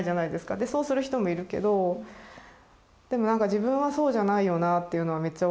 でそうする人もいるけどでもなんか自分はそうじゃないよなっていうのはめっちゃ。